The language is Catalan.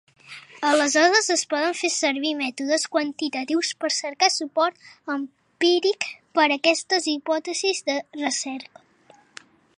Aleshores es poden fer servir mètodes quantitatius per cercar suport empíric per a aquestes hipòtesis de recerca.